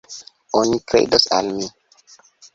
Oni kredos al mi.